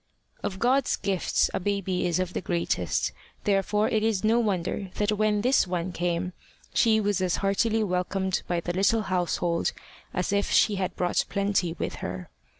Of God's gifts a baby is of the greatest; therefore it is no wonder that when this one came, she was as heartily welcomed by the little household as if she had brought plenty with her.